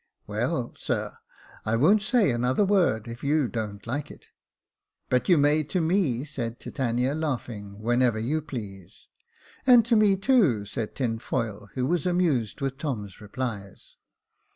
" Well, sir, I won't say another word, if you don't like it." " But you may to me," said Titania, laughing, " when ever you please." " And to me too," said Tinfoil, who was amused with Tom's replies.